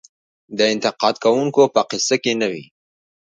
د انتقاد کوونکو په قصه کې نه وي .